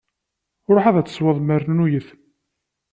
Ṛuḥ ad tesweḍ mernuyet!